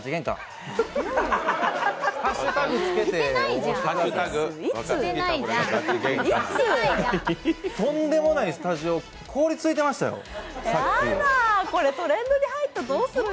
とんでもないスタジオ凍りついてましたよ。